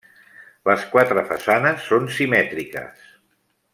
Les quatre façanes són simètriques.